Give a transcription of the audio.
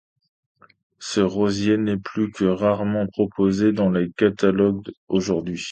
Ce rosier n'est plus que rarement proposé dans les catalogues aujourd'hui.